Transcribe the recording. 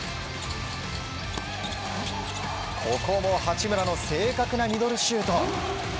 ここも八村の正確なミドルシュート。